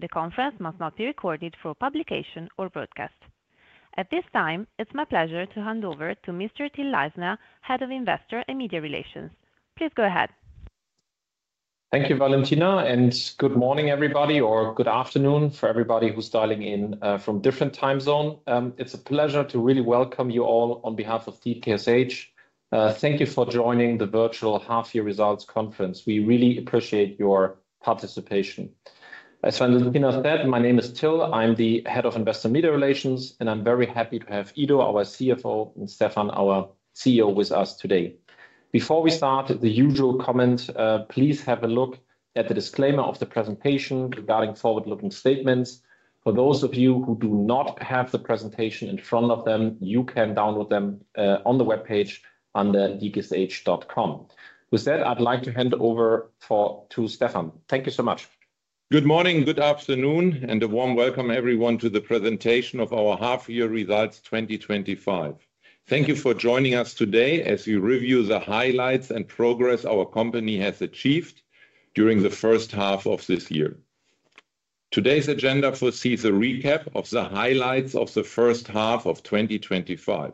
The conference must not be recorded for publication or broadcast at this time. It's my pleasure to hand over to Mr. Till Leisner, Head of Investor and Media Relations. Please go ahead. Thank you, Valentina, and good morning, everybody. Or good afternoon for everybody who's dialing in from different time zones. It's a pleasure to really welcome you all on behalf of DKSH. Thank you for joining the Virtual Half Year Results Conference. We really appreciate your participation. As mentioned, my name is Till, I'm the Head of Investor and Media Relations, and I'm very happy to have Ido, our CFO, and Stefan, our CEO, with us today. Before we start, the usual comment, please have a look at the disclaimer of the presentation regarding forward-looking statements. For those of you who do not have the presentation in front of them. You can download them on the webpage under dksh.com. With that, I'd like to hand over to Stefan. Thank you so much. Good morning, good afternoon, and a warm welcome everyone to the presentation of our Half Year Results 2025. Thank you for joining us today as we review the highlights and progress our company has achieved during the first half of this year. Today's agenda foresees a recap of the highlights of the first half of 2025.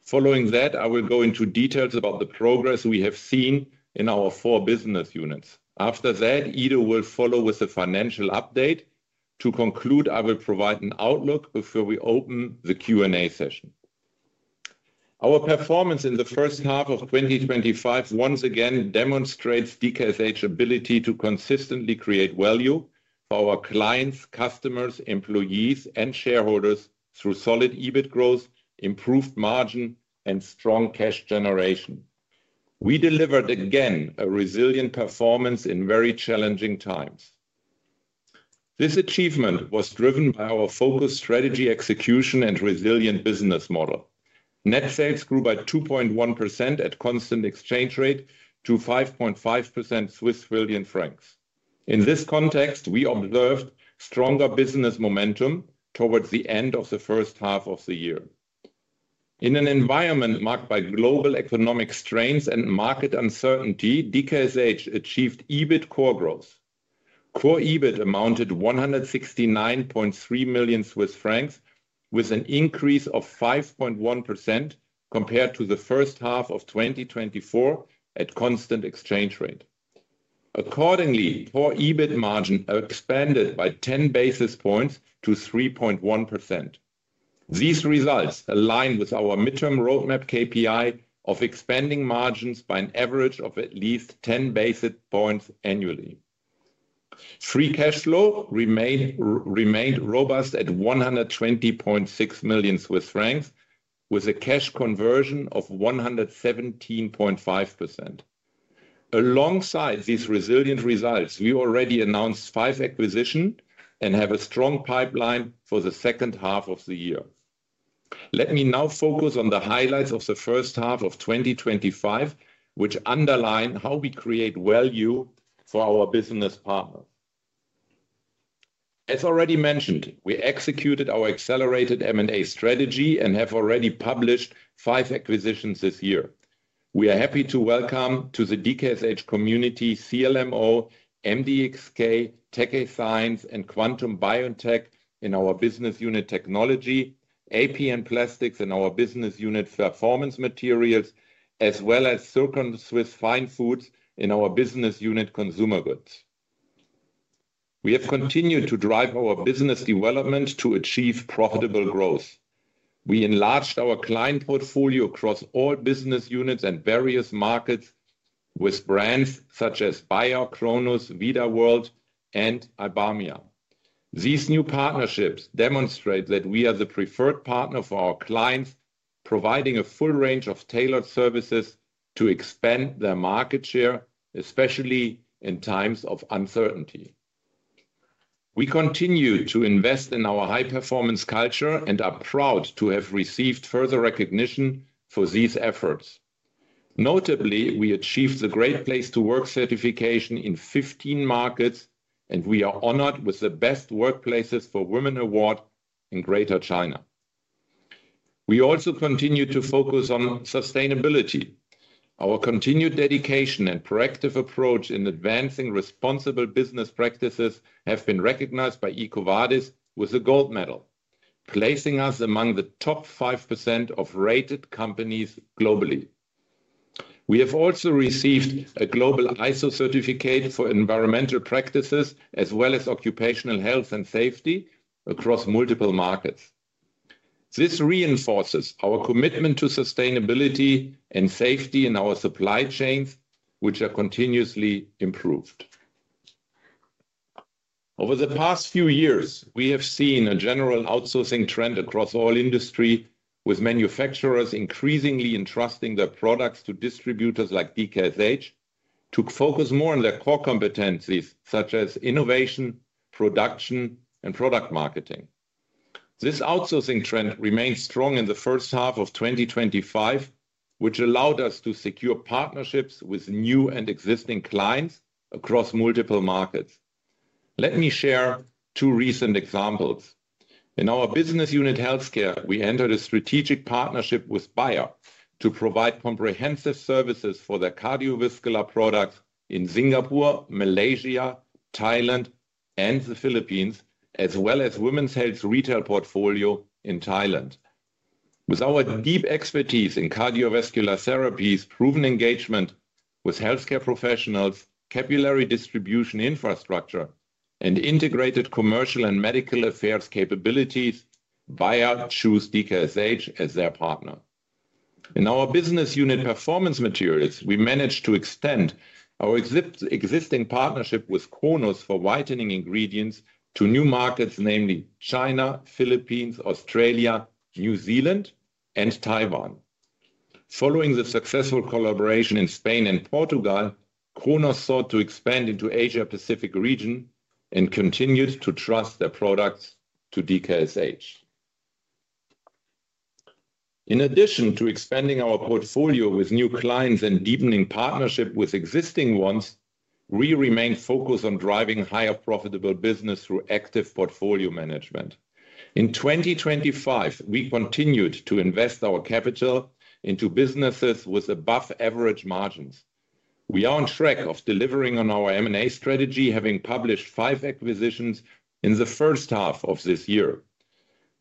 Following that, I will go into details about the progress we have seen in our four business units. After that, Ido will follow with a financial update. To conclude, I will provide an outlook before we open the Q and A session. Our performance in the first half of 2025 once again demonstrates DKSH's ability to consistently create value for our clients, customers, employees, and shareholders. Through solid EBIT growth, improved margin, and strong cash generation, we delivered again a resilient performance in very challenging times. This achievement was driven by our focused strategy, execution, and resilient business model. Net sales grew by 2.1% at constant exchange rate to 5.5 billion francs. In this context, we observed stronger business momentum towards the end of the first half of the year. In an environment marked by global economic strains and market uncertainty, DKSH achieved EBIT core growth. Core EBIT amounted to 169.3 million Swiss francs with an increase of 5.1% compared to the first half of 2024 at constant exchange rate. Accordingly, Core EBIT margin expanded by 10 basis points to 3.1%. These results align with our midterm roadmap KPI of expanding margins by an average of at least 10 basis points annually. Free cash flow remained robust at 120.6 million Swiss francs with a cash conversion rate of 117.5%. Alongside these resilient results, we already announced five acquisitions and have a strong pipeline for the second half of the year. Let me now focus on the highlights of the first half of 2025 which underline how we create value for our business partners. As already mentioned, we executed our accelerated M&A strategy and have already published five acquisitions this year. We are happy to welcome to the DKSH community CLMO, MDxK, Taqkey Science, and Quantum Biotech in our business unit Technology, AP Plastics in our business unit Performance Materials, as well as Zircon-Swiss Fine Foods in our business unit Consumer Goods. We have continued to drive our business development to achieve profitable growth. We enlarged our client portfolio across all business units and various markets with brands such as Bayer, Krones, Vida World, and IBARMIA. These new partnerships demonstrate that we are the preferred partner for our clients, providing a full range of tailored services to expand their market share, especially in times of uncertainty. We continue to invest in our high-performance culture and are proud to have received further recognition for these efforts. Notably, we achieved the Great Place to Work certification in 15 markets, and we are honored with the Best Workplaces for Women award in Greater China. We also continue to focus on sustainability. Our continued dedication and proactive approach in advancing responsible business practices have been recognized by EcoVadis with a gold medal, placing us among the top 5% of rated companies globally. We have also received a global ISO certificate for environmental practices as well as occupational health and safety across multiple markets. This reinforces our commitment to sustainability and safety in our supply chains, which are continuously improved. Over the past few years, we have seen a general outsourcing trend across all industry, with manufacturers increasingly entrusting their products to distributors like DKSH to focus more on their core competencies such as innovation, production, and product marketing. This outsourcing trend remains strong in the first half of 2025, which allowed us to secure partnerships with new and existing clients across multiple markets. Let me share two recent examples. In our Business Unit Healthcare, we entered a strategic partnership with Bayer to provide comprehensive services for their cardiovascular products in Singapore, Malaysia, Thailand, and the Philippines, as well as Women's Health retail portfolio in Thailand. With our deep expertise in cardiovascular therapies, proven engagement with healthcare professionals, capillary distribution infrastructure, and integrated commercial and medical affairs capabilities, Bayer chose DKSH as their partner. In our Business Unit Performance Materials, we managed to extend our existing partnership with Krones for whitening ingredients to new markets, namely China, Philippines, Australia, New Zealand, and Taiwan. Following the successful collaboration in Spain and Portugal, Krones sought to expand into the Asia Pacific region and continued to trust their products to DKSH. In addition to expanding our portfolio with new clients and deepening partnership with existing ones, we remain focused on driving higher profitable business through active portfolio management. In 2025, we continued to invest our capital into businesses with above average margins. We are on track of delivering on our M&A strategy, having published five acquisitions in the first half of this year.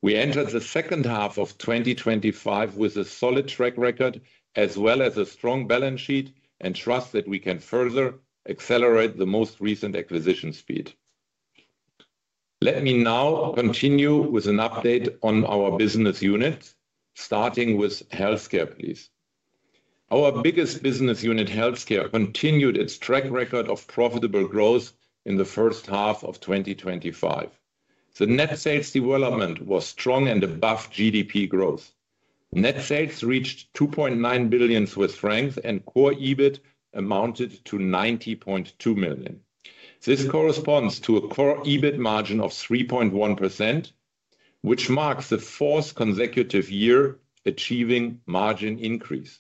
We entered the second half of 2025 with a solid track record as well as a strong balance sheet and trust that we can further accelerate the most recent acquisition speed. Let me now continue with an update on our business unit starting with Healthcare, please. Our biggest business unit, Healthcare, continued its track record of profitable growth in the first half of 2025. The net sales development was strong and above GDP growth. Net sales reached 2.9 billion Swiss francs and Core EBIT amounted to 90.2 million. This corresponds to a Core EBIT margin of 3.1% which marks the fourth consecutive year achieving margin increase.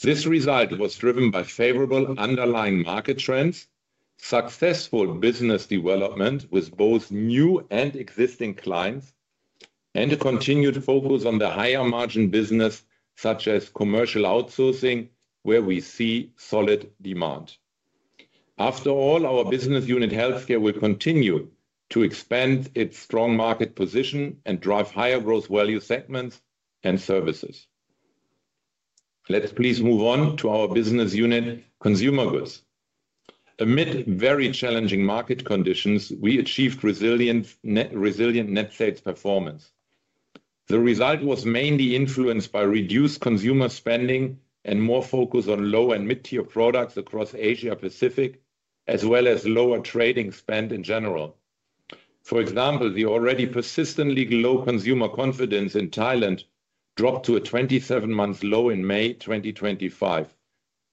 This result was driven by favorable underlying market trends, successful business development with both new and existing clients, and to continue to focus on the higher margin business such as commercial outsourcing where we see solid demand. After all, our business unit Healthcare will continue to expand its strong market position and drive higher gross value segments and services. Let's please move on to our business unit Consumer Goods. Amid very challenging market conditions, we achieved resilient net sales performance. The result was mainly influenced by reduced consumer spending and more focus on low and mid tier products across Asia Pacific as well as lower trading spend in general. For example, the already persistently low consumer confidence in Thailand dropped to a 27 month low in May 2025.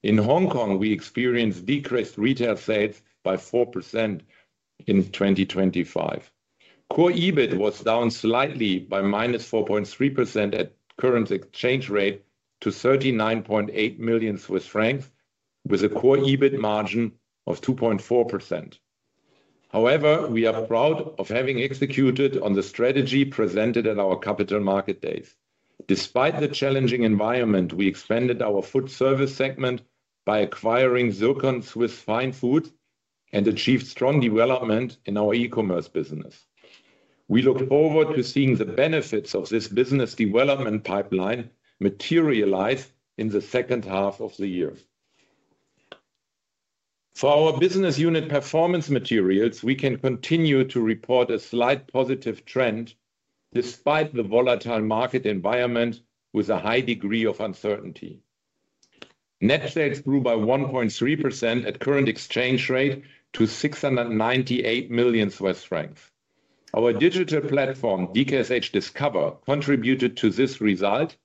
In Hong Kong, we experienced decreased retail sales by 4% in 2025. Core EBIT was down slightly by -4.3% at current exchange rate to 39.8 million Swiss francs with a Core EBIT margin of 2.4%. However, we are proud of having executed on the strategy presented at our capital market days. Despite the challenging environment, we expanded our food service segment by acquiring Zircon-Swiss Fine Foods and achieved strong development in our e-commerce business. We look forward to seeing the benefits of this business development pipeline materialize in the second half of the year. For our Business Unit Performance Materials. We can continue to report a slight positive trend despite the volatile market environment with a high degree of uncertainty. Net sales grew by 1.3% at current exchange rate to 698 million Swiss francs. Our digital platform DKSH Discover contributed to this result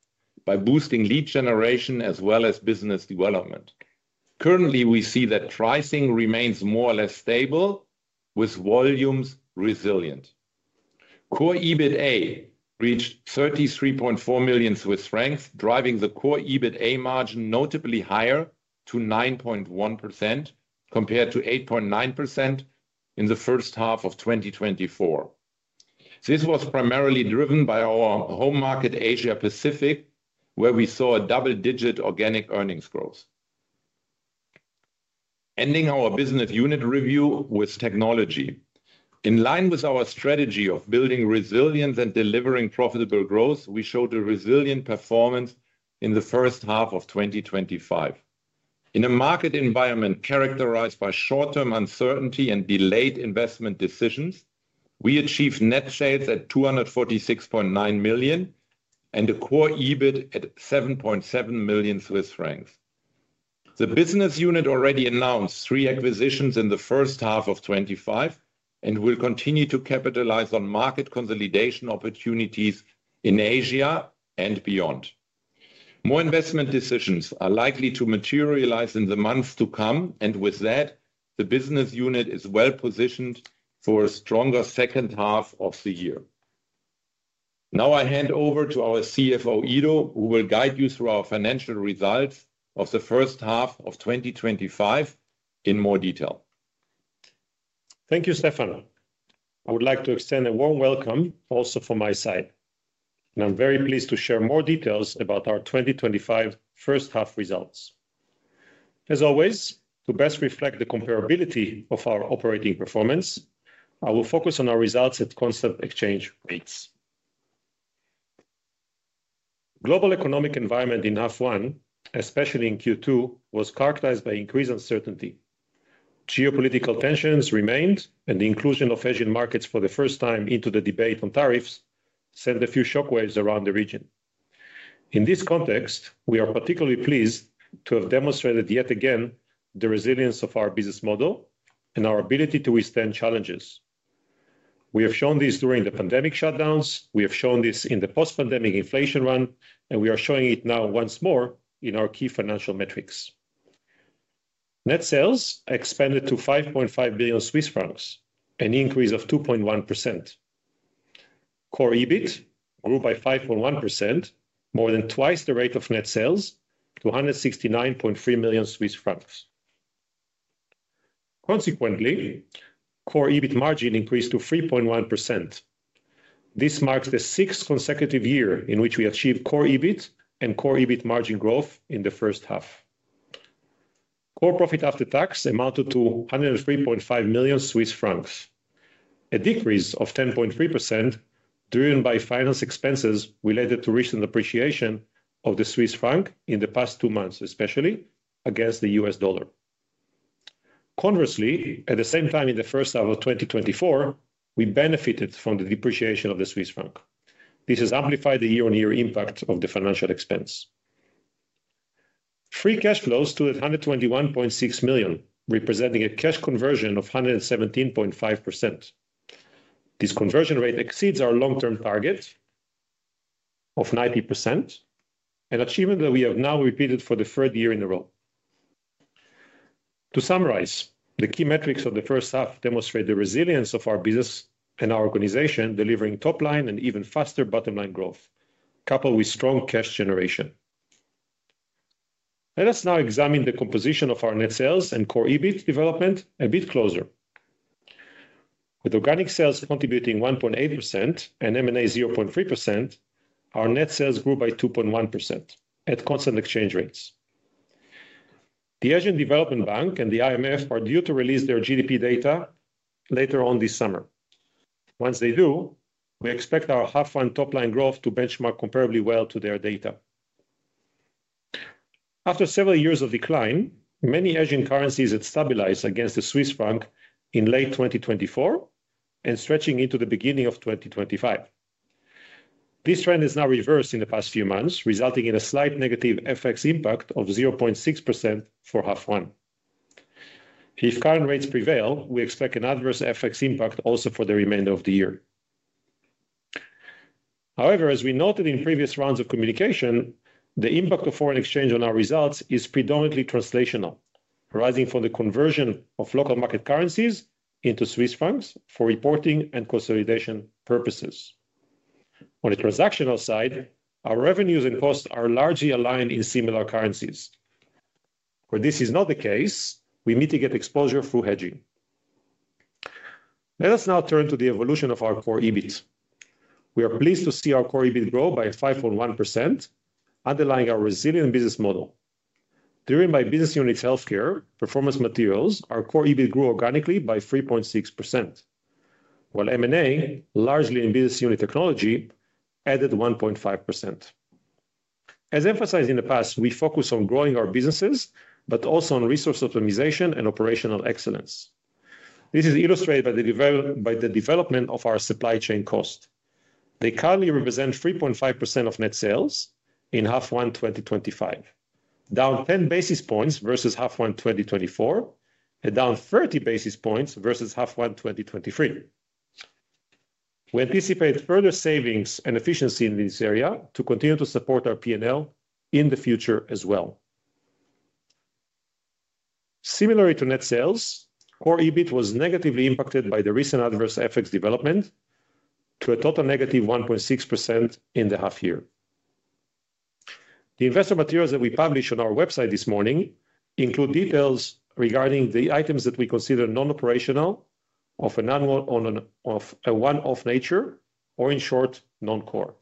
by boosting lead generation as well as business development. Currently, we see that pricing remains more or less stable with volumes resilient. Core EBIT reached 33.4 million Swiss francs, driving the Core EBIT margin notably higher to 9.1% compared to 8.9% in the first half of 2024. This was primarily driven by our home market Asia Pacific, where we saw a double-digit organic earnings growth, ending our Business Unit review with Technology. In line with our strategy of building resilience and delivering profitable growth, we showed a resilient performance in the first half of 2025 in a market environment characterized by short-term uncertainty and delayed investment decisions. We achieved net sales at 246.9 million and a Core EBIT at 7.7 million Swiss francs. The Business Unit already announced three acquisitions in 1H25 and will continue to capitalize on market consolidation opportunities in Asia and beyond. More investment decisions are likely to materialize in the months to come, and with that the Business Unit is well positioned for a stronger second half of the year. Now I hand over to our CFO Ido Wallach, who will guide you through our financial results of the first half of 2025 in more detail. Thank you, Stefan. I would like to extend a warm welcome also from my side and I'm very pleased to share more details about our 2025 first half results. As always, to best reflect the comparability of our operating performance, I will focus on our results at constant exchange rates. The global economic environment in H1, especially in Q2, was characterized by increased uncertainty. Geopolitical tensions remained, and the inclusion of Asian markets for the first time into the debate on tariffs sent a few shockwaves around the region. In this context, we are particularly pleased to have demonstrated yet again the resilience of our business model and our ability to withstand challenges. We have shown this during the pandemic shutdowns. We have shown this in the post-pandemic inflation run, and we are showing it now once more in our key financial metrics. Net sales expanded to 5.5 billion Swiss francs, an increase of 2.1%. Core EBIT grew by 5.1%, more than twice the rate of net sales, to 169.3 million Swiss francs. Consequently, Core EBIT margin increased to 3.1%. This marks the sixth consecutive year in which we achieved Core EBIT and Core EBIT margin growth. In the first half, core profit after tax amounted to 103.5 million Swiss francs, a decrease of 10.3% driven by finance expenses related to recent appreciation of the Swiss franc in the past two months, especially against the U.S. dollar. Conversely, at the same time in the first half of 2024, we benefited from the depreciation of the Swiss franc. This has amplified the year-on-year impact of the financial expense. Free cash flow stood at 121.6 million, representing a cash conversion of 117.5%. This conversion rate exceeds our long-term target of 90%, an achievement that we have now repeated for the third year in a row. To summarize, the key metrics of the first half demonstrate the resilience of our business and our organization, delivering top line and even faster bottom line growth coupled with strong cash generation. Let us now examine the composition of our net sales and Core EBIT development a bit closer. With organic sales contributing 1.8% and M&A 0.3%, our net sales grew by 2.1% at constant exchange rates. The Asian Development Bank and the IMF are due to release their GDP data later on this summer. Once they do, we expect our H1 top line growth to benchmark comparably well to their data. After several years of decline, many Asian currencies had stabilized against the Swiss franc in late 2024 and stretching into the beginning of 2025. This trend is now reversed in the past few months, resulting in a slight negative FX impact of 0.6% for Half 1. If current rates prevail, we expect an adverse FX impact also for the remainder of the year. However, as we noted in previous rounds of communication, the impact of foreign exchange on our results is predominantly translational, arising from the conversion of local market currencies into Swiss francs for reporting and consolidation purposes. On a transactional side, our revenues and costs are largely aligned in similar currencies. Where this is not the case, we mitigate exposure through hedging. Let us now turn to the evolution of our Core EBIT. We are pleased to see our Core EBIT grow by 5.1%, underlying our resilient business model. During my business unit Healthcare, provider Performance Materials, our Core EBIT grew organically by 3.6% while M&A, largely in business unit Technology, added 1.5%. As emphasized in the past, we focus on growing our businesses, but also on resource optimization and operational excellence. This is illustrated by the development of our supply chain cost. They currently represent 3.5% of net sales in Half 1 2025, down 10 basis points versus Half 1 2024 and down 30 basis points versus Half 1 2023. We anticipate further savings and efficiency in this area to continue to support our P&L in the future as well. Similarly to net sales, Core EBIT was negatively impacted by the recent adverse FX development to a total negative 1.6% in the half year. The investor materials that we publish on our website this morning include details regarding the items that we consider non-operational, of a one-off nature, or in short, non-core.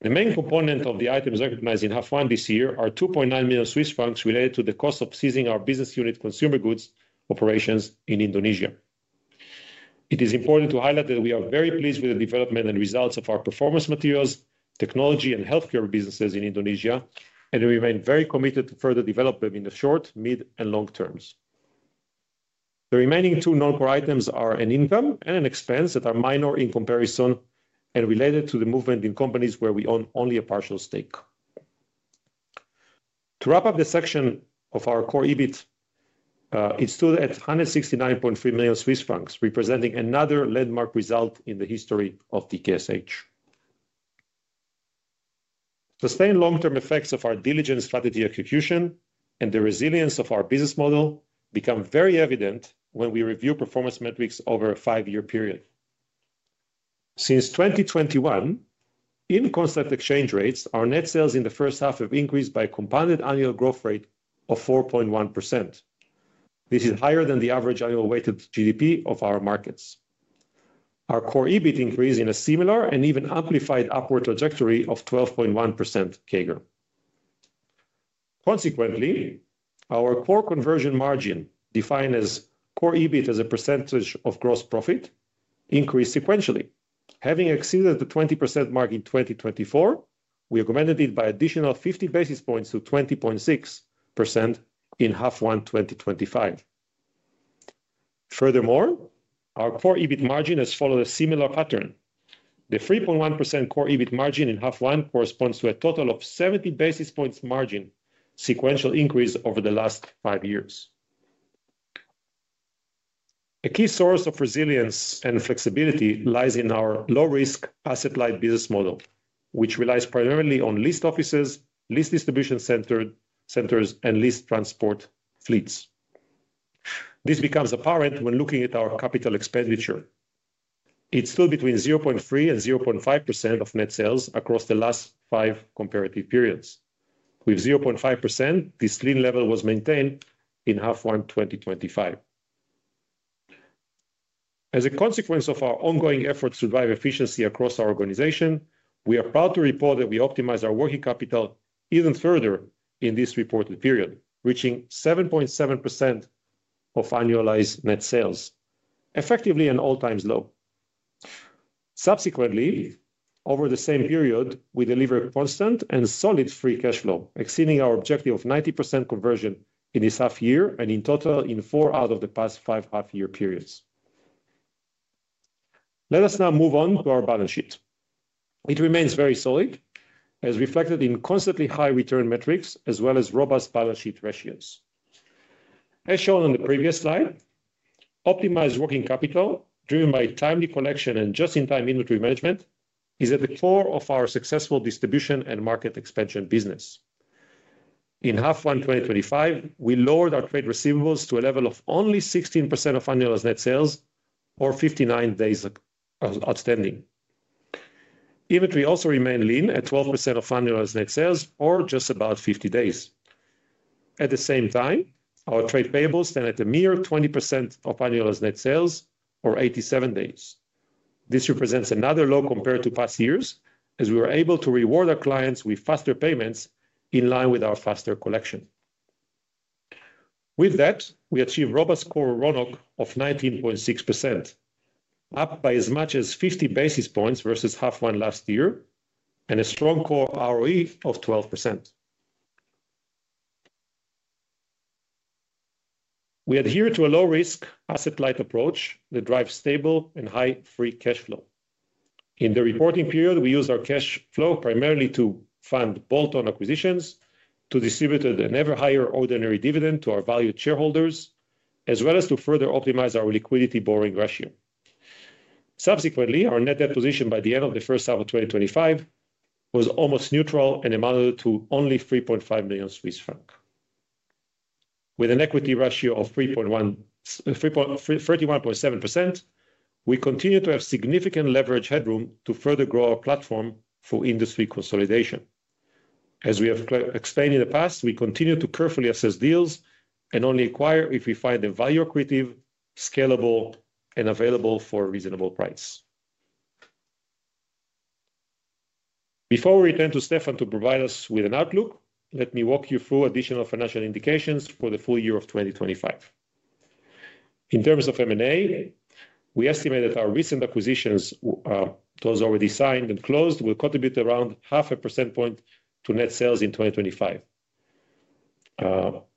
The main component of the items recognized in Half 1 this year are 2.9 million Swiss francs related to the cost of ceasing our business unit Consumer Goods operations in Indonesia. It is important to highlight that we are very pleased with the development and results of our Performance Materials, Technology, and Healthcare businesses in Indonesia, and we remain very committed to further develop them in the short, mid, and long terms. The remaining two non-core items are an income and an expense that are minor in comparison and related to the movement in companies where we own only a partial stake. To wrap up the section of our Core EBIT, it stood at 169.3 million Swiss francs, representing another landmark result in the history of DKSH. Sustained long-term effects of our diligent strategy execution and the resilience of our business model become very evident when we review performance metrics. Over a five-year period since 2021 in constant exchange rates, our net sales in the first half have increased by a compounded annual growth rate of 4.1%. This is higher than the average annual weighted GDP of our markets. Our Core EBIT increased in a similar and even amplified upward trajectory of 12.1% CAGR. Consequently, our core conversion margin, defined as Core EBIT as a percentage of gross profit, increased sequentially. Having exceeded the 20% mark in 2024, we augmented it by an additional 50 basis points to 20.6% in half one 2025. Furthermore, our Core EBIT margin has followed a similar pattern. The 3.1% Core EBIT margin in half one corresponds to a total of 70 basis points margin sequential increase over the last five years. A key source of resilience and flexibility lies in our low-risk asset-light business model, which relies primarily on leased offices, leased distribution centers, and leased transport fleets. This becomes apparent when looking at our capital expenditure. It's still between 0.3% and 0.5% of net sales across the last five comparative periods, with 0.5%. This lean level was maintained in half one 2025. As a consequence of our ongoing efforts to drive efficiency across our organization, we are proud to report that we optimized our working capital even further in this reported period, reaching 7.7% of annualized net sales, effectively an all-time low. Subsequently, over the same period, we delivered constant and solid free cash flow, exceeding our objective of 90% conversion in this half year and in total in four out of the past five five-year periods. Let us now move on to our balance sheet. It remains very solid as reflected in constantly high return metrics as well as robust balance sheet ratios as shown on the previous slide. Optimized working capital during my timely collection and just-in-time inventory management is at the core of our successful distribution and market expansion business. In half one 2025, we lowered our trade receivables to a level of only 16% of annualized net sales or 59 days. Outstanding inventory also remained lean at 12% of annualized net sales or just about 50 days. At the same time, our trade payables stand at a mere 20% of annualized net sales or 87 days. This represents another low compared to past years as we were able to reward our clients with faster payments in line with our faster collection. With that we achieved robust core RONUC of 19.6%, up by as much as 50 basis points versus half one last year and a strong core ROE of 12%. We adhere to a low risk asset-light approach that drives stable and high free cash flow in the reporting period. We use our cash flow primarily to fund bolt-on acquisitions, to distribute an ever higher ordinary dividend to our valued shareholders, as well as to further optimize our liquidity borrowing ratio. Subsequently, our net debt position by the end of the first half of 2025 was almost neutral and amounted to only 3.5 million Swiss francs. With an equity ratio of 31.7%, we continue to have significant leverage headroom to further grow our platform for industry consolidation. As we have explained in the past, we continue to carefully assess deals and only acquire if we find them value accretive, scalable, and available for reasonable price. Before we return to Stefan to provide us with an outlook, let me walk you through additional financial indications for the full year of 2025. In terms of M&A, we estimate that our recent acquisitions, those already signed and closed, will contribute around half a percentage point to net sales in 2025.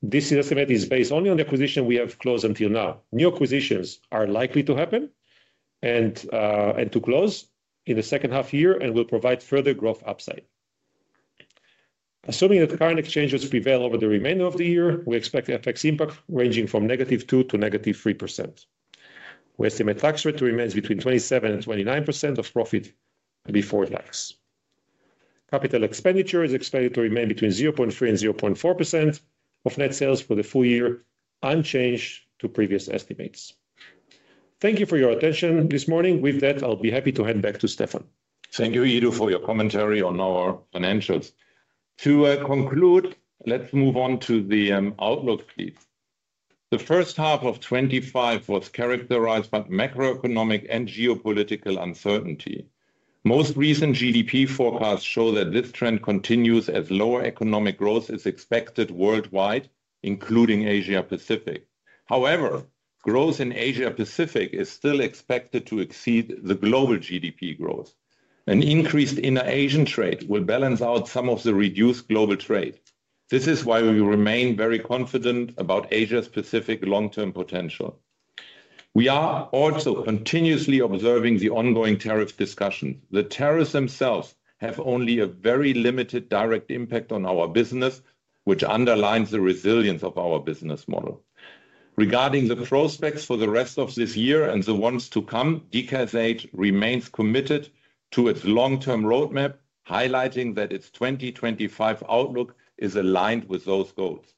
This estimate is based only on the acquisitions we have closed until now. New acquisitions are likely to happen and to close in the second half year and will provide further growth upside. Assuming that current exchanges prevail over the remainder of the year, we expect FX impact ranging from negative 2% to negative 3%. We estimate tax rate to remain between 27% and 29% of profit before tax. Capital expenditure is expected to remain between 0.3% and 0.4% of net sales for the full year, unchanged to previous estimates. Thank you for your attention this morning. With that, I'll be happy to hand back to Stefan. Thank you, Ido, for your commentary on our financials. To conclude, let's move on to the outlook. The first half of 2025 was characterized by macroeconomic and geopolitical uncertainty. Most recent GDP forecasts show that this trend continues as lower economic growth is expected worldwide, including Asia Pacific. However, growth in Asia Pacific is still expected to exceed the global GDP growth. An increased intra-Asian trade will balance out some of the reduced global trade. This is why we remain very confident about Asia Pacific long-term potential. We are also continuously observing the ongoing tariff discussions. The tariffs themselves have only a very limited direct impact on our business, which underlines the resilience of our business model. Regarding the prospects for the rest of this year and the ones to come, DKSH remains committed to its long-term roadmap, highlighting that its 2025 outlook is aligned with those goals.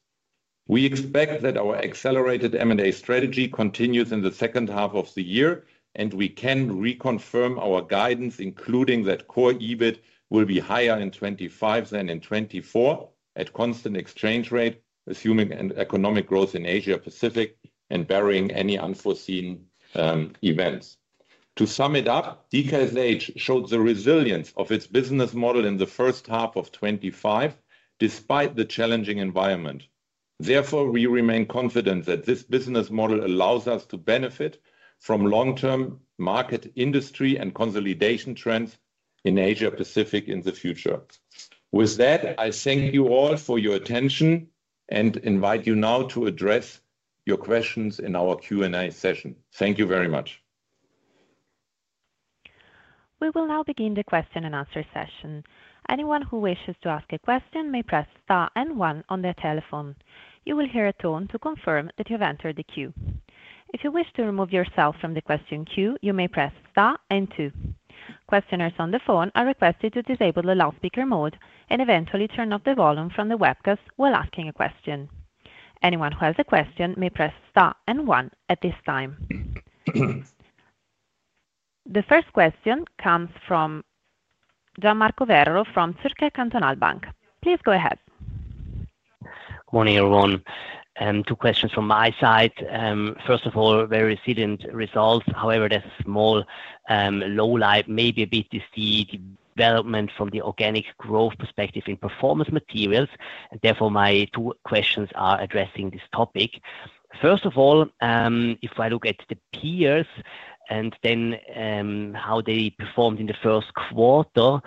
We expect that our accelerated M&A strategy continues in the second half of the year, and we can reconfirm our guidance, including that Core EBIT will be higher in 2025 than in 2024 at constant exchange rate, assuming economic growth in Asia Pacific and barring any unforeseen events. To sum it up, DKSH showed the resilience of its business model in 1H25 despite the challenging environment. Therefore, we remain confident that this business model allows us to benefit from long-term market, industry, and consolidation trends in Asia Pacific in the future. With that, I thank you all for your attention and invite you now to address your questions in our Q&A session. Thank you very much. We will now begin the question and answer session. Anyone who wishes to ask a question may press *1 on their telephone. You will hear a tone to confirm that you have entered the queue. If you wish to remove yourself from the question queue, you may press *2. Questioners on the phone are requested to disable the loudspeaker mode and eventually turn off the volume from the webcast while asking a question. Anyone who has a question may press *1 at this time. The first question comes from Gian Marco Vero from Zürcher Kantonalbank. Please go ahead. Morning everyone. Two questions from my side. First of all, very resilient results. However, there's more lowlight, maybe a bit is the development from the organic growth perspective in Performance Materials. Therefore, my two questions are addressing this topic. First of all, if I look at the peers and then how they performed in the first quarter,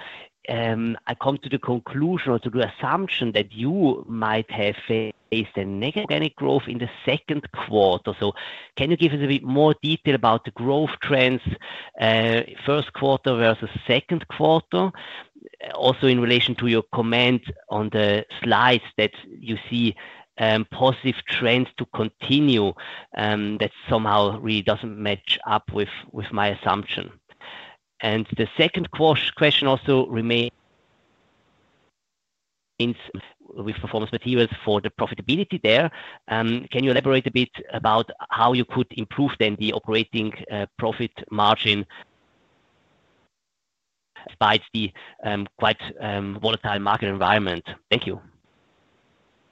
I come to the conclusion or to the assumption that you might have faced a negative organic growth in the second quarter. Can you give us a bit more detail about the growth trends first quarter versus second quarter? Also, in relation to your comment on the slides that you see positive trends to continue, that somehow really doesn't match up with my assumption. The second question also remains with Performance Materials. For the profitability there, can you elaborate a bit about how you could improve then the operating profit margin despite the quite volatile market environment? Thank you.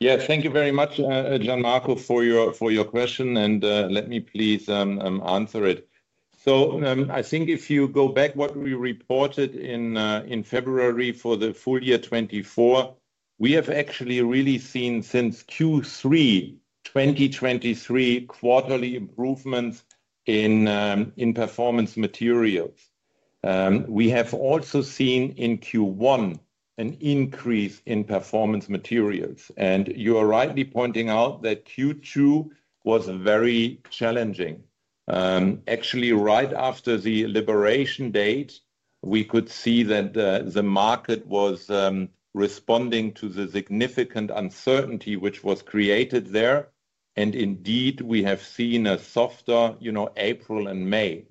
Yes, thank you very much, Gian Marco, for your question and let me please answer it. I think if you go back to what we reported in February for the full year 2024, we have actually really seen since Q3 2023 quarterly improvements in Performance Materials. We have also seen in Q1 an increase in Performance Materials. You are rightly pointing out that Q2 was very challenging. Actually, right after the liberation date, we could see that the market was responding to the significant uncertainty which was created there. Indeed, we have seen a softer April and May.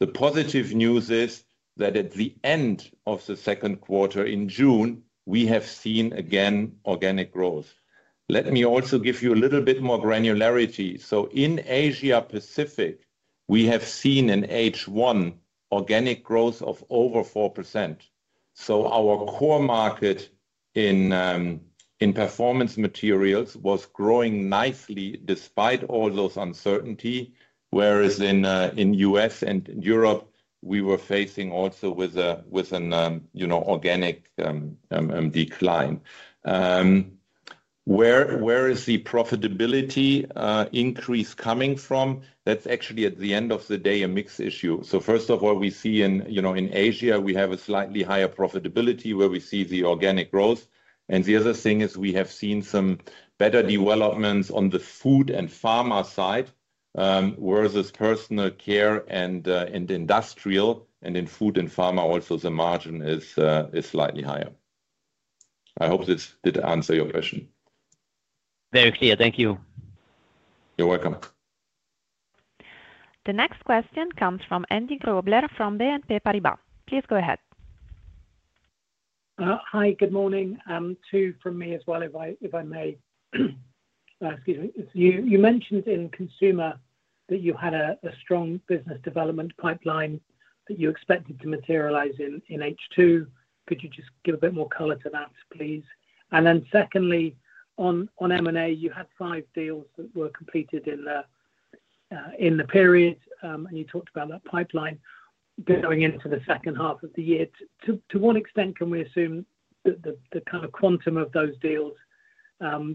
The positive news is that at the end of the second quarter, in June, we have seen again organic growth. Let me also give you a little bit more granularity. In Asia Pacific, we have seen in H1 organic growth of over 4%. Our core market in Performance Materials was growing nicely despite all those uncertainties. Whereas in the U.S. and Europe, we were facing an organic decline. Where is the profitability increase coming from? That's actually, at the end of the day, a mix issue. First of all, we see in Asia we have a slightly higher profitability where we see the organic growth. The other thing is we have seen some better developments on the food and pharma side versus personal care and industrial. In food and pharma, also the margin is slightly higher. I hope this did answer your question. Very clear. Thank you. You're welcome. The next question comes from Andy Grobler from BNP Paribas. Please go ahead. Hi, good morning. Two from me as well, if I may. You mentioned in Consumer that you had a strong business development pipeline that you expected to materialize in H2. Could you just give a bit more color to that, please? Secondly, on M&A, you had five deals that were completed in the period and you talked about that pipeline going into the second half of the year. To what extent can we assume that the kind of quantum of those deals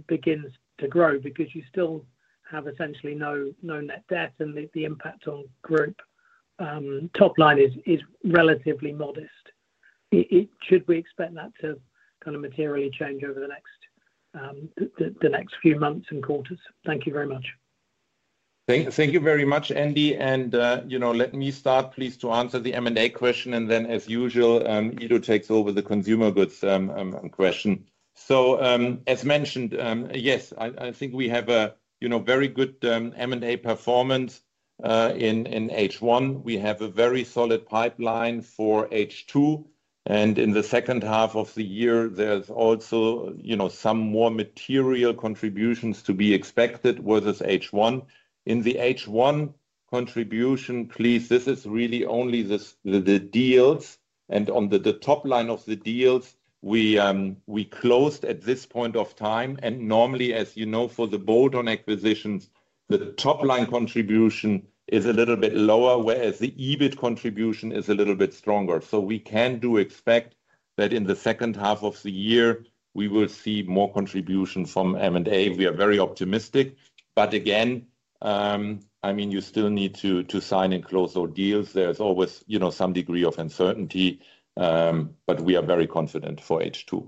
begins to grow because you still have essentially no net debt and the impact on group top line is relatively modest? Should we expect that to materially change over the next few months and quarters? Thank you very much. Thank you very much, Andy. Let me start please to answer the M&A question and then as usual Ido takes over the Consumer Goods question. As mentioned, yes, I think we have a very good M&A performance in H1. We have a very solid pipeline for H2. In the second half of the year there's also some more material contributions to be expected versus H1. In the H1 contribution, this is really only the deals and on the top line of the deals we closed at this point of time. Normally, as you know, for the bolt-on acquisitions the top line contribution is a little bit lower, whereas the EBIT contribution is a little bit stronger. We can do expect that in the second half of the year we will see more contribution from M&A. We are very optimistic. You still need to sign and close deals. There's always some degree of uncertainty, but we are very confident for H2.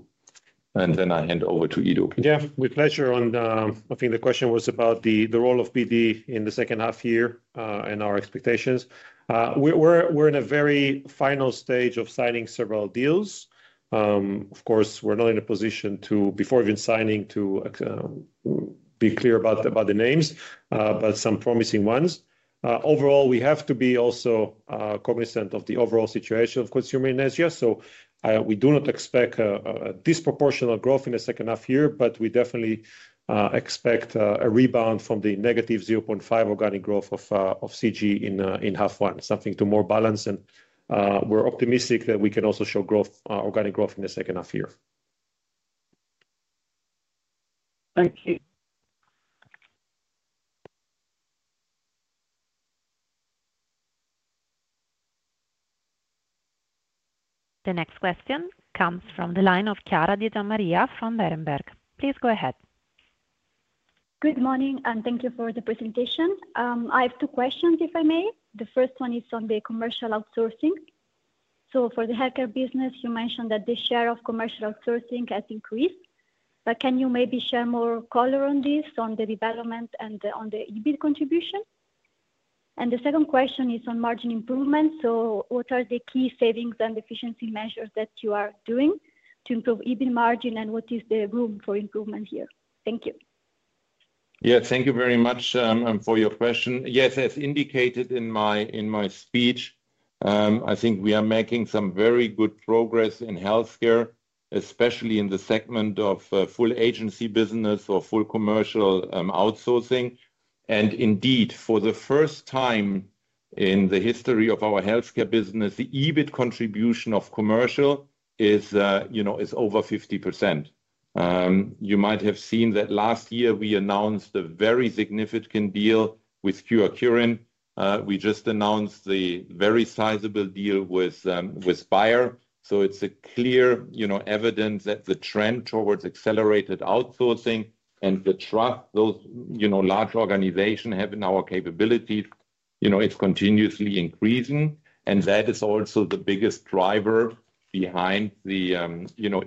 I hand over to Ido. Yeah, with pleasure. I think the question was about the role of BD in the second half year and our expectations. We're in a very final stage of signing several deals. Of course, we're not in a position to, before even signing, be clear about the names, but some promising ones. Overall, we have to be also cognizant of the overall situation of consumer in Asia. We do not expect disproportionate growth in the second half year, but we definitely expect a rebound from the negative 0.5% organic growth of CGE in half 1, something more balanced, and we're optimistic that we can also show organic growth in the second half year. Thank you. The next question comes from the line of Chiara Di Giammaria from Berenberg. Please go ahead. Good morning and thank you for the presentation. I have two questions if I may. The first one is on the commercial outsourcing. For the haircare business you mentioned that the share of commercial outsourcing has increased. Can you maybe share more color on this, on the development, and on the EBITDA contribution? The second question is on margin improvement. What are the key savings and efficiency measures that you are doing to improve EBITDA margin and what is the room for improvement here? Thank you. Yes, thank you very much for your question. Yes, as indicated in my speech, I think we are making some very good progress in healthcare, especially in the segment of full agency business or full commercial outsourcing. Indeed, for the first time in the history of our healthcare business, the EBIT contribution of commercial is over 50%. You might have seen that last year we announced a very significant deal with Kyowa Kirin. We just announced the very sizable deal with Bayer. It is clear evidence that the trend towards accelerated outsourcing and the trust those large organizations have in our capabilities is continuously increasing, and that is also the biggest driver behind the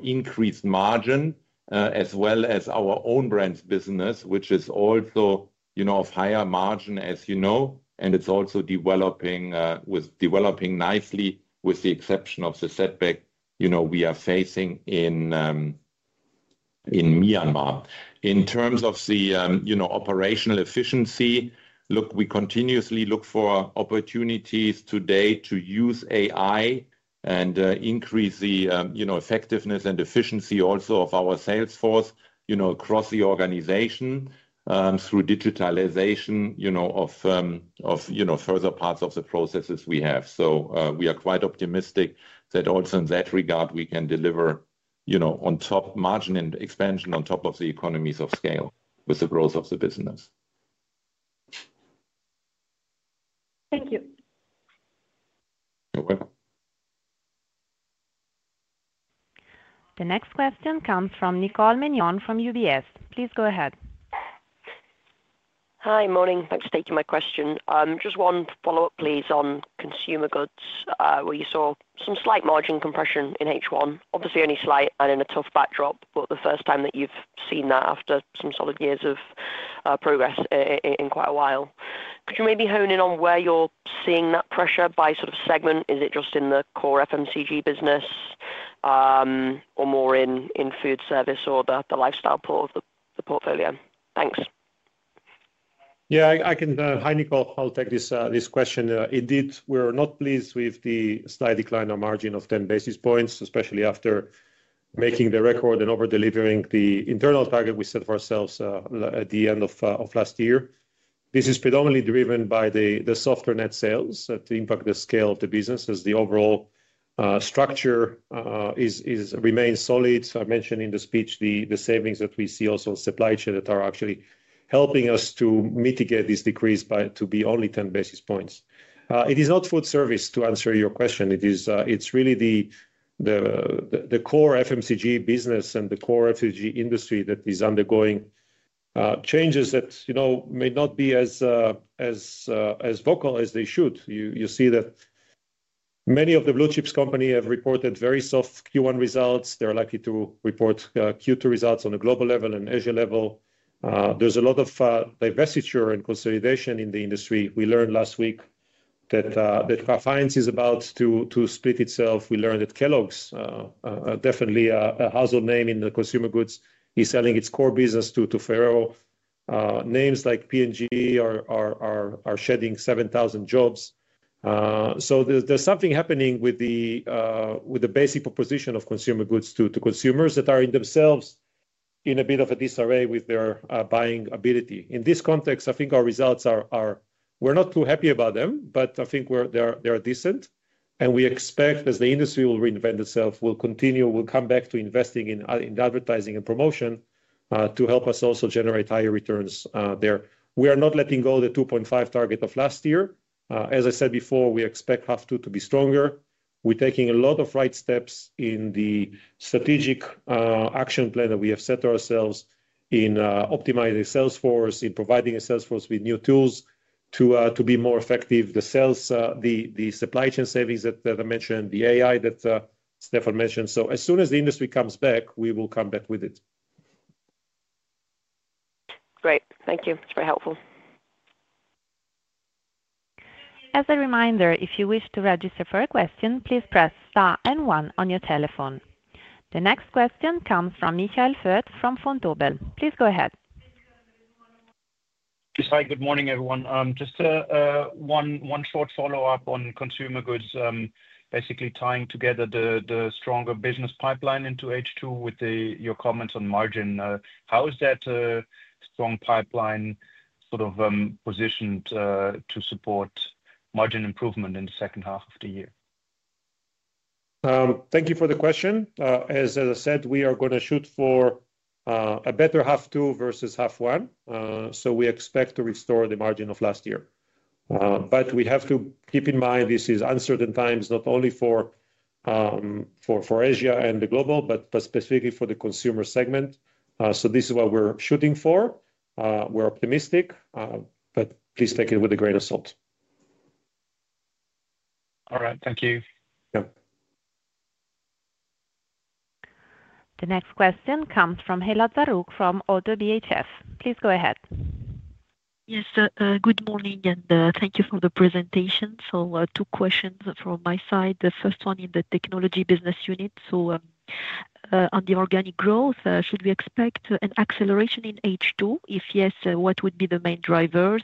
increased margin as well as our own brands business, which is also of higher margin as you know. It is also developing nicely with the exception of the setback we are facing in Myanmar in terms of operational efficiency. We continuously look for opportunities today to use AI and increase the effectiveness and efficiency also of our salesforce across the organization through digitalization of further parts of the processes we have. We are quite optimistic that also in that regard we can deliver on top margin and expansion on top of the economies of scale with the growth of the business. Thank you. You're welcome. The next question comes from Nicole Mignon from UBS. Please go ahead. Hi. Morning. Thanks for taking my question. Just one follow up please on Consumer Goods where you saw some slight margin compression in H1, obviously only slight in a tough backdrop. This is the first time that you've seen that after some solid years of progress in quite a while. Could you maybe hone in on where you're seeing that pressure by sort of segment? Is it just in the core FMCG business or more in food service or the lifestyle part of the portfolio? Thanks. Yeah, I can. Hi Nicole, I'll take this question. Indeed, we're not pleased with the slight decline on margin of 10 bps, especially after making the record and over delivering the internal target we set for ourselves at the end of last year. This is predominantly driven by the softer net sales to impact the scale of the business, as the overall structure remains solid. I mentioned in the speech the savings that we see also in supply chain that are actually helping us to mitigate this decrease to be only 10 basis points. It is not food service. To answer your question, it's really the core FMCG business and the core FMCG industry that is undergoing changes that may not be as vocal as they should. You see that many of the blue chips companies have reported very soft Q1 results. They're likely to report Q2 results on a global level and Asia level. There's a lot of divestiture and consolidation in the industry. We learned last week that Graphein is about to split itself. We learned that Kellogg's, definitely a household name in the consumer goods, is selling its core business to Ferrero. Names like P&G are shedding 7,000 jobs. There's something happening with the basic proposition of consumer goods to consumers that are in themselves in a bit of a disarray with their buying ability. In this context, I think our results are—we're not too happy about them, but I think they're decent. We expect as the industry will reinvent itself, we'll continue. We'll come back to investing in advertising and promotion to help us also generate higher returns there. We are not letting go the 2.5% target of last year. As I said before, we expect H2 to be stronger. We're taking a lot of right steps in the strategic action plan that we have set ourselves in optimizing Salesforce, in providing a Salesforce with new tools to be more effective. The supply chain savings that I mentioned, the AI that Stefan mentioned. As soon as the industry comes back, we will come back with it. Great, thank you. It's very helpful. As a reminder, if you wish to register for a question, please press star 1 on your telephone. The next question comes from Michael Foeth from Vontobel. Please go ahead. Good morning, everyone. Just one short follow-up on Consumer Goods, basically tying together the stronger business pipeline into H2 with your comments on margin. How is that strong pipeline, sort of? Positioned to support margin improvement in the second half of the year? Thank you for the question. As I said, we are going to shoot for a better half two versus half one. We expect to restore the margin of last year, but we have to keep in mind this is uncertain times not only for Asia and the global, but specifically for the consumer segment. This is what we're shooting for. We're optimistic, but please take it with a grain of salt. All right, thank you. The next question comes from Hela Zarouk from ODDO BHF. Please go ahead. Yes, good morning and thank you for the presentation. Two questions from my side. The first one in the Technology business unit. On the organic growth, should we expect an acceleration in H2? If yes, what would be the main drivers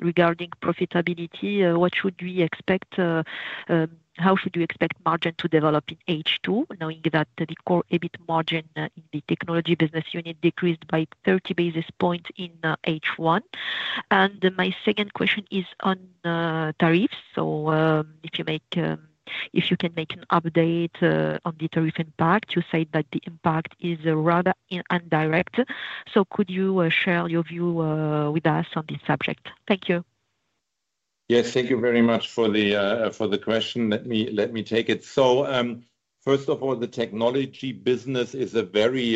regarding profitability? What should we expect? How should we expect margin to develop in H2 knowing that the Core EBIT margin in the Technology business unit decreased by 30 basis points in H1? My second question is on tariffs. So, if you can make an update on the tariff impact, you say that the impact is rather indirect. Could you share your view with us on this subject? Thank you. Yes, thank you very much for the question. Let me take it. First of all, the technology business is a very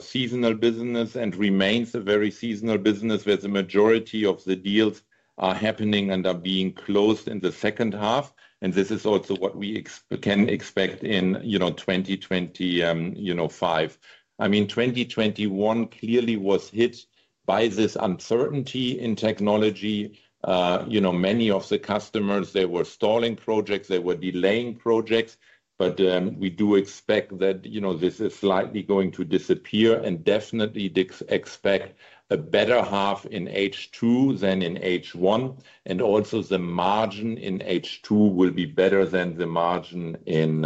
seasonal business and remains a very seasonal business where the majority of the deals are happening and are being closed in the second half. This is also what we can expect in 2025. I mean, 2021 clearly was hit by this uncertainty in technology. Many of the customers, they were stalling projects, they were delaying projects. We do expect that this is slightly going to disappear and definitely expect a better half in H2 than in H1, and also the margin in H2 will be better than the margin in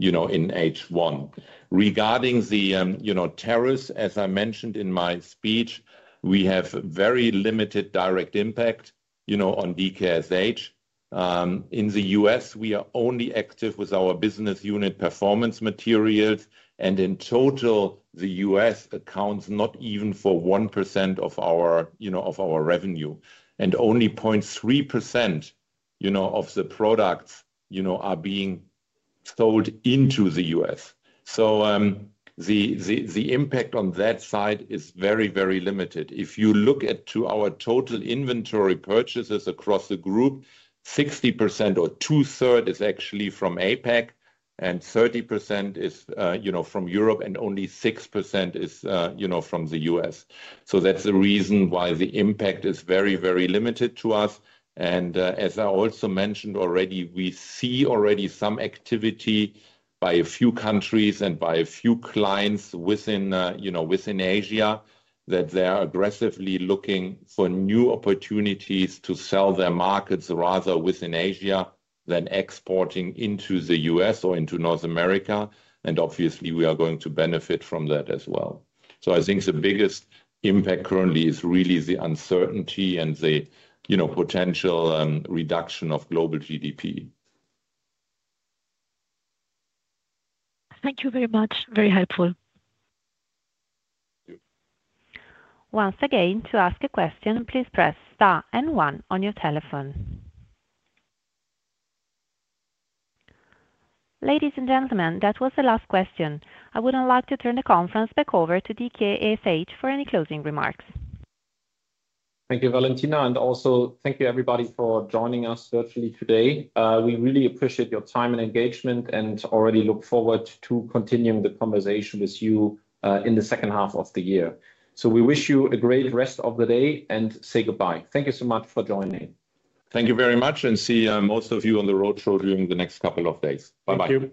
H1. Regarding the tariffs, as I mentioned in my speech, we have very limited direct impact on DKSH in the U.S. We are only active with our business unit Performance Materials. In total, the U.S. accounts not even for 1% of our revenue and only 0.3% of the products are being sold into the U.S., so the impact on that side is very, very limited. If you look at our total inventory purchases across the group, 60% or two-thirds is actually from Asia Pacific and 30% is from Europe and only 6% is from the U.S. That's the reason why the impact is very, very limited to us. As I also mentioned already, we see already some activity by a few countries and by a few clients within Asia that they are aggressively looking for new opportunities to sell their markets rather within Asia than exporting into the U.S. or into North America. Obviously, we are going to benefit from that as well. I think the biggest impact currently is really the uncertainty and the potential reduction of global GDP. Thank you very much. Very helpful. Once again, to ask a question, please press N1 on your telephone. Ladies and gentlemen, that was the last question. I would now like to turn the conference back over to DKSH for any closing remarks. Thank you, Valentina. Thank you, everybody, for joining us virtually today. We really appreciate your time and engagement and already look forward to continuing the conversation with you in the second half of the year. We wish you a great rest of the day and say goodbye. Thank you so much for joining. Thank you very much. I will see most of you on the road show during the next couple of days. Bye bye. Thank you.